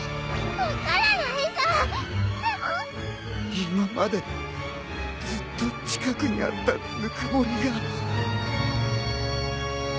今までずっと近くにあったぬくもりが。